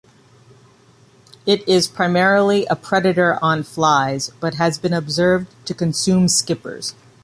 It is primarily a predator on flies, but has been observed to consume skippers.